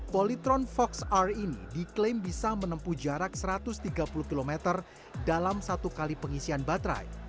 polytron fox r ini diklaim bisa menempuh jarak satu ratus tiga puluh km dalam satu kali pengisian baterai